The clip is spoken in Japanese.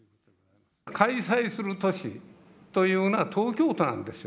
開催する都市というのは、東京都なんですよ。